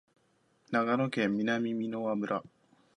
長野県南箕輪村